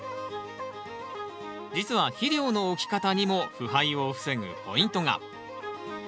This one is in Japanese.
実は肥料の置き方にも腐敗を防ぐポイントが。